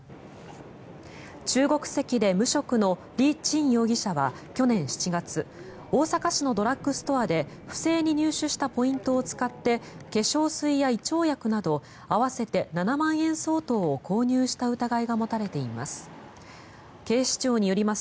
中国籍で無職のリ・チン容疑者は去年７月大阪市のドラッグストアで不正に入手したポイントを使って化粧水や胃腸薬など合わせて７万円相当を購入した疑いが持たれています。